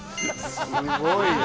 すごいな。